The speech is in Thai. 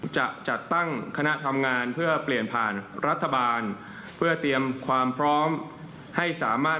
จะจัดตั้งคณะทำงานเพื่อเปลี่ยนผ่านรัฐบาลเพื่อเตรียมความพร้อมให้สามารถ